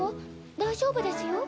大丈夫ですよ。